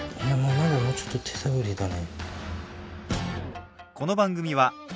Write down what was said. まだもうちょっと手探りだね。